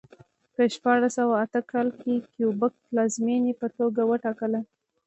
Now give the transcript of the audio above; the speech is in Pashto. په شپاړس سوه اته کال کې کیوبک پلازمېنې په توګه وټاکله.